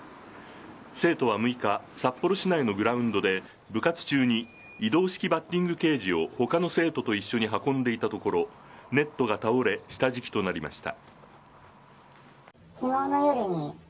生徒は６日札幌市内のグラウンドで部活中に移動式バッティングケージを他の生徒と一緒に運んでいたところネットが倒れ下敷きとなりました。